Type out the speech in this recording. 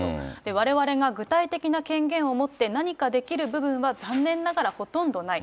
われわれが具体的な権限を持って何かできる部分は、残念ながらほとんどない。